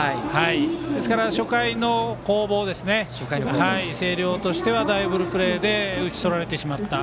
初回の攻防で星稜としてはダブルプレーで打ち取られてしまった。